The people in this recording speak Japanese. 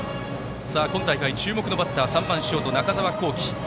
今大会注目のバッター３番ショート、中澤恒貴。